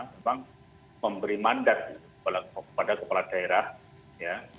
memang memberi mandat kepada kepala daerah ya